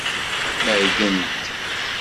Mergent.